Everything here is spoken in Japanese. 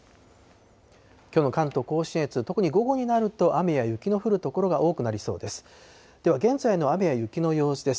きょうの関東甲信越、特に午後になると、雨や雪の降る所が多くなりそうです。